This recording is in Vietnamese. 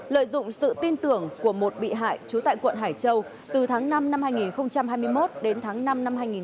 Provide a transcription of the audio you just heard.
lợi dụng sự tin tưởng của một bị hại trú tại quận hải châu từ tháng năm năm hai nghìn hai mươi một đến tháng năm năm hai nghìn hai mươi ba